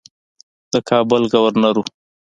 د کابل ګورنر وو.